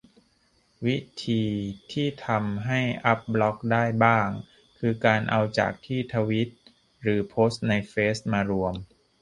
วิธีที่ทำให้อัปบล็อกได้บ้าง คือการเอาจากที่ทวีตหรือโพสต์ในเฟซมารวม